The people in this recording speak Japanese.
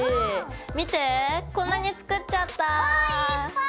見てこんなに作っちゃったぁ！